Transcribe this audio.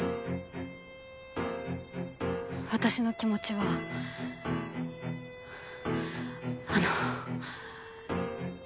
私の気持ちはあの。